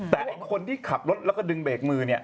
แต่คนที่ขับรถแล้วก็ดึงเบรกมือเนี่ย